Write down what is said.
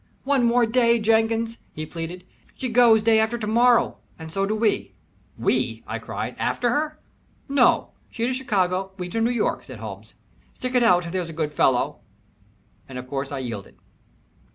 "One more day Jenkins," he pleaded. "She goes day after to morrow, and so do we." "We?" I cried. "After her?" "Nope she to Chicago we to New York," said Holmes. "Stick it out, there's a good fellow," and of course I yielded.